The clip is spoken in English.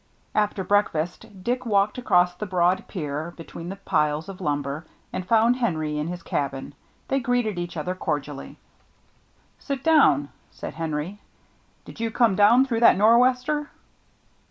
After breakfast Dick walked across the broad pier between the piles of lumber, and found Henry in his cabin. They greeted each other cordially. 43 44 THE MERRT ANNE " Sit down," said Henry. " Did you come down through that nor'wester